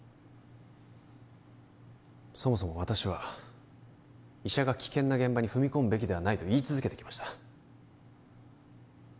そもそも私は医者が危険な現場に踏み込むべきではないと言い続けてきました